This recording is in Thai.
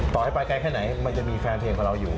ต่อให้ไปไกลแค่ไหนมันจะมีแฟนเพลงของเราอยู่